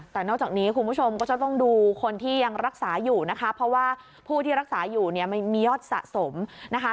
แต่นอกจากนี้คุณผู้ชมก็จะต้องดูคนที่ยังรักษาอยู่นะคะเพราะว่าผู้ที่รักษาอยู่เนี่ยมันมียอดสะสมนะคะ